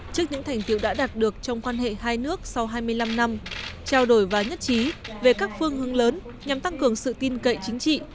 trước những thành tiệu đã đạt được trong quan hệ hai nước sau hai mươi năm năm trao đổi và nhất trí về các phương hướng lớn nhằm tăng cường sự tin cậy chính trị